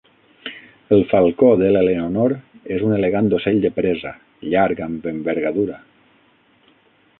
El falcó d'Eleonor és un elegant ocell de presa, llarg amb envergadura.